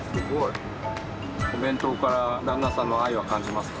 お弁当から旦那さんの愛は感じますか？